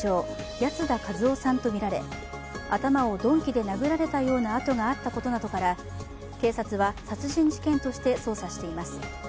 八ツ田和夫さんとみられ、頭を鈍器で殴られたような痕があったことなどから警察は殺人事件として捜査しています。